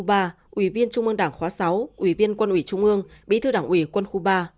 và ủy viên trung ương đảng khóa sáu ủy viên quân ủy trung ương bí thư đảng ủy quân khu ba